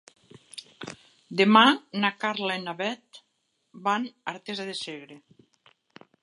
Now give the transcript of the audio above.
Demà na Carla i na Bet van a Artesa de Segre.